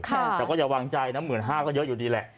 แต่ก็อย่าวางใจนะ๑๕๐๐ก็เยอะอยู่ดีแหละ